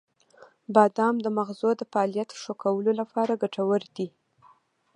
• بادام د مغزو د فعالیت ښه کولو لپاره ګټور دی.